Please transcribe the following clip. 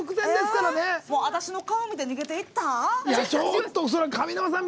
私の顔を見て逃げていった？